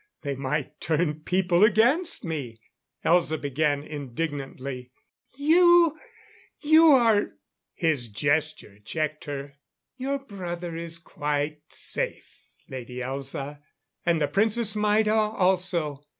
They might turn people against me." Elza began indignantly: "You you are " His gesture checked her. "Your brother is quite safe, Lady Elza. And the Princess Maida also.